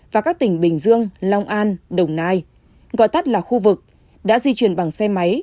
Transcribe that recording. và các tỉnh bình dương long an đồng nai gọi tắt là khu vực đã di chuyển bằng xe máy